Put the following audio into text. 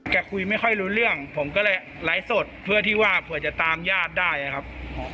คุยไม่ค่อยรู้เรื่องผมก็เลยไลฟ์สดเพื่อที่ว่าเผื่อจะตามญาติได้ครับ